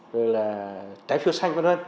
rồi là trái phiếu xanh